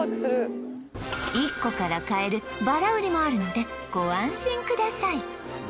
１個から買えるバラ売りもあるのでご安心ください